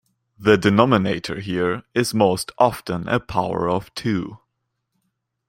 The denominator here is most often a power of two.